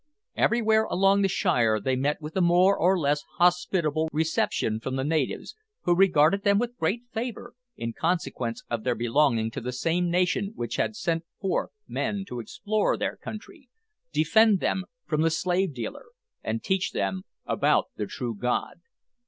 Everywhere along the Shire they met with a more or less hospitable reception from the natives, who regarded them with great favour, in consequence of their belonging to the same nation which had sent forth men to explore their country, defend them from the slave dealer, and teach them about the true God.